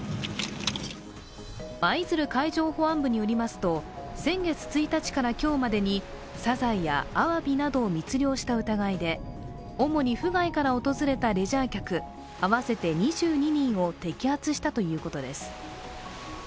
舞鶴海上保安部によりますと、先月１日から今日までにサザエやアワビなどを密漁した疑いで主に府外から訪れたレジャー客合わせて２２人を摘発したということです。